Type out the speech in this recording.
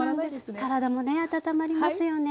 体もね温まりますよね。